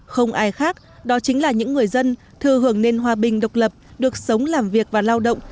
không ai khác đó chính là những người dân thư hưởng nền hòa bình độc lập được sống làm việc và lao động